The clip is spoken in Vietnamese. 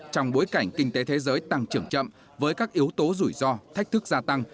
trong bối cảnh kinh tế thế giới tăng trưởng chậm với các yếu tố rủi ro thách thức gia tăng